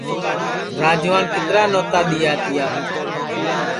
راجوان کِترا نوتا دؔیا تیا